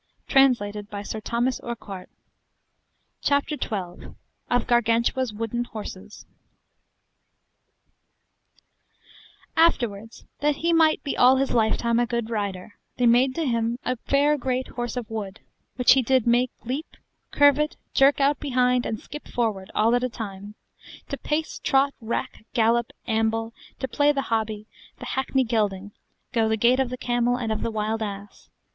Of Gargantua's wooden horses. [Illustration: Led Them up the Great Staircase 1 12 028] Afterwards, that he might be all his lifetime a good rider, they made to him a fair great horse of wood, which he did make leap, curvet, jerk out behind, and skip forward, all at a time: to pace, trot, rack, gallop, amble, to play the hobby, the hackney gelding: go the gait of the camel, and of the wild ass.